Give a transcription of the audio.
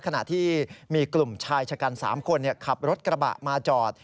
ขณะที่มีกลุ่มชายชะกัน๓คนขับรถกระบะมาจอด